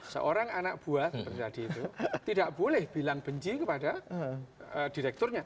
seorang anak buah seperti tadi itu tidak boleh bilang benci kepada direkturnya